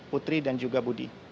putri dan juga budi